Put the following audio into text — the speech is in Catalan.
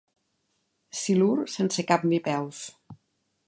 Silur sense cap ni peus.